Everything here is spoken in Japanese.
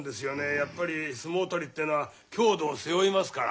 やっぱり相撲取りってのは郷土を背負いますから。